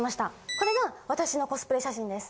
これが私のコスプレ写真です。